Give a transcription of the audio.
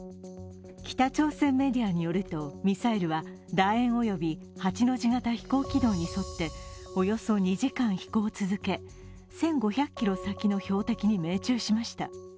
北朝鮮メディアによるとミサイルは楕円および８の字型飛行軌道に沿っておよそ２時間、飛行を続け、１５００ｋｍ先の標的に命中しました。